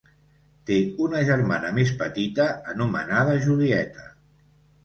Té una germana més petita anomenada Julieta.